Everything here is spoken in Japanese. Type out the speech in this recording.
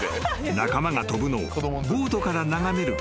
［仲間が飛ぶのをボートから眺めるカモ］